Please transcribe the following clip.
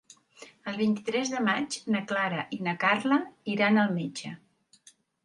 El vint-i-tres de maig na Clara i na Carla iran al metge.